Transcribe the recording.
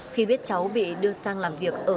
khi biết cháu bị đưa sang làm việc ở các nơi